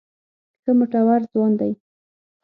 ښه مټور ځوان دی.